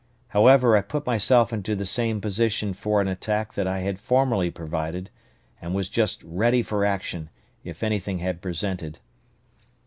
However, I put myself into the same position for an attack that I had formerly provided, and was just ready for action, if anything had presented.